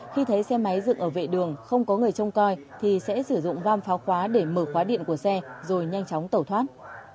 khi thấy xe máy dựng ở vệ đường không có người trông coi thì sẽ sử dụng gam pháo khóa để mở khóa điện của xe rồi nhanh chóng tẩu thoát